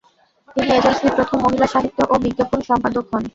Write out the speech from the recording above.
তিনি এজেন্সির প্রথম মহিলা সাহিত্য ও বিজ্ঞাপন সম্পাদক হন।